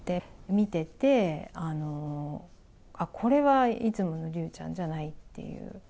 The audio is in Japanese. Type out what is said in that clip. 見てて、あっ、これはいつもの竜ちゃんじゃないっていう。